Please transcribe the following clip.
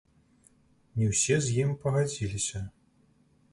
Не ўсе з ім пагадзіліся.